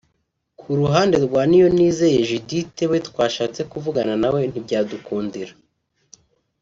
Ku ruhande rwa Niyonizeye Judith we twashatse kuvugana nawe ntibyadukundira